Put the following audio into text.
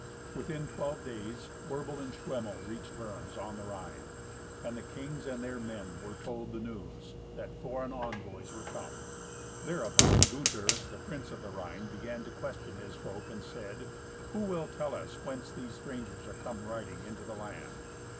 Within twelve days Werbel and Schwemmel reached Worms on the Rhine. And the king sand their men were told the news, that foreign envoys were come. Thereupon Gunther, the prince of the Rhine, began to question his folk, and said, "Who will tell us whence these strangers are come riding into the land?"